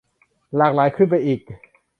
หลากหลายขึ้นไปอีก